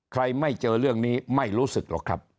ไม่เจอเรื่องนี้ไม่รู้สึกหรอกครับ